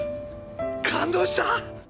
感動した！